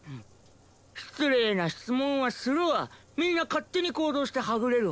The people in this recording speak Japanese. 失礼な質問はするわみんな勝手に行動してはぐれるわ。